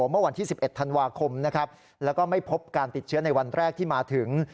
เมื่อวันที่๑๑ธันวาคมนะครับแล้วก็ไม่พบการติดเชื้อในวันแรกที่มาถึง